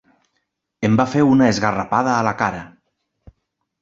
Em va fer una esgarrapada a la cara.